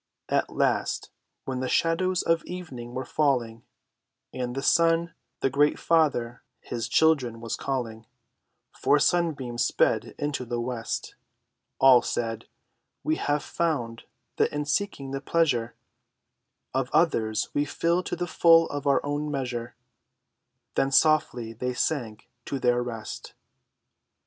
At last, when the shadows of evening were falling, And the sun, their great father, his children was calling, Four sunbeams sped into the west. All said: "We have found that in seeking the pleasure Of others, we fill to the full our own measure," Then softly they sank to their rest.